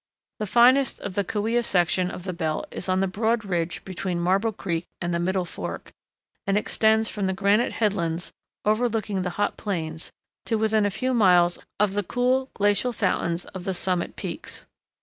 The finest of the Kaweah section of the belt is on the broad ridge between Marble Creek and the middle fork, and extends from the granite headlands overlooking the hot plains to within a few miles of the cool glacial fountains of the summit peaks.